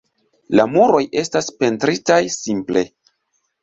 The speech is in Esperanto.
La muroj estas pentritaj simple.